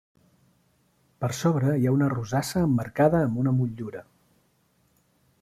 Per sobre hi ha una rosassa emmarcada amb una motllura.